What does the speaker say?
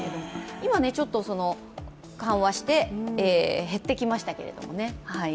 今、緩和して減ってきましたけれどもね。